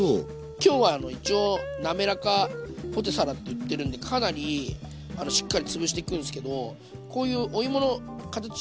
今日は一応なめらかポテサラって言ってるんでかなりしっかりつぶしていくんですけどこういうお芋の形を残して。